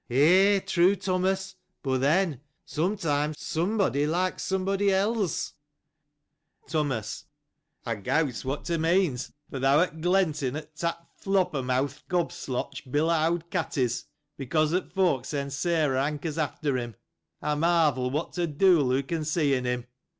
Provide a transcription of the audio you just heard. — Ay, true, Thomas : but then, sometimes, somebody likes somebody else. Thomas. — I guess what thou meanest, for thou art glancing at that flopper mouth'd gob sloteh,° Bill o' old Katty's, because that folk say Sarah hankers" after him. I marvel what the de'il she can see in him.